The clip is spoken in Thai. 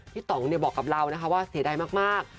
ที่ต๋องบอกกับเราว่าเสียใดมาก